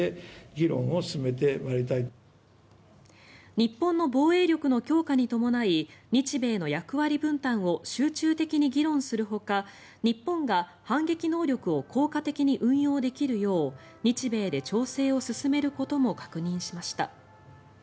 日本の防衛力の強化に伴い日米の役割分担を集中的に議論するほか日本が反撃能力を効果的に運用できるよう日米で調整を進めることも確認しました。